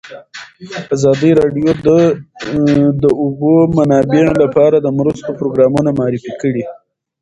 ازادي راډیو د د اوبو منابع لپاره د مرستو پروګرامونه معرفي کړي.